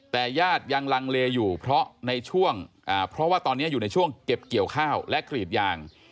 แต่ญาติยังลังเลอยู่เพราะในช่วงเพราะว่าตอนนี้อยู่ในช่วงเก็บเกี่ยวข้าวและกรีดยาง